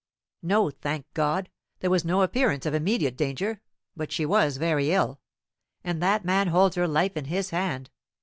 "No, thank God, there was no appearance of immediate danger. But she was very ill. And that man holds her life in his hand.